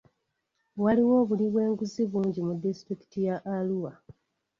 Waliwo obuli bw'enguzi bungi mu disitulikiti ya Arua.